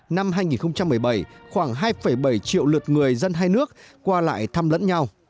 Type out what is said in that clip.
năm hai nghìn một mươi bảy khoảng hai bảy triệu lượt người dân hai nước qua lại thăm lẫn nhau